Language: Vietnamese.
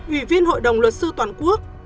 ủy viên hội đồng luật sư toàn quốc